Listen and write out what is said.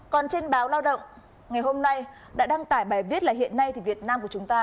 còn trên báo lao động ngày hôm nay đã đăng tải bài viết là hiện nay thì việt nam của chúng ta